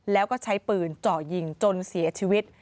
แล้วก็ใช้ปืนเจาะยิงจนเสียชีวิต